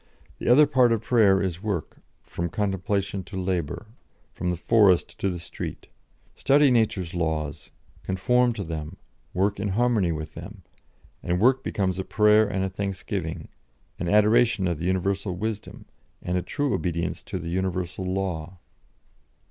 The other part of prayer is work; from contemplation to labour, from the forest to the street. Study nature's laws, conform to them, work in harmony with them, and work becomes a prayer and a thanksgiving, an adoration of the universal wisdom, and a true obedience to the universal law."